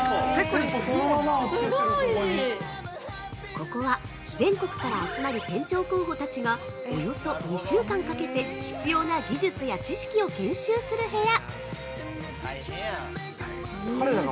◆ここは全国から集まる店長候補たちがおよそ２週間かけて必要な技術や知識を研修する部屋。